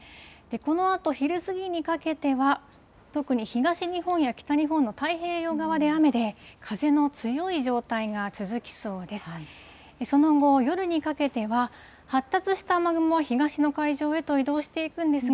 このあと昼過ぎにかけては、特に東日本や北日本の太平洋側で雨で、風の強い状態が続きそうです。